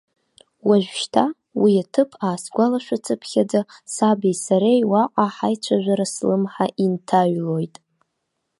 Уажәшьҭа, уи аҭыԥ аасгәалашәацыԥхьаӡа, саби сареи уаҟа ҳаицәажәара слымҳа инҭаҩлоит.